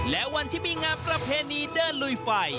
และวันที่มีงานประเพณีเดินลุยไฟ